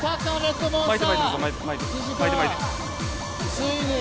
ついに。